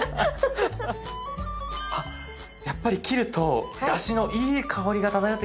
あっやっぱり切るとだしのいい香りが漂ってきますね。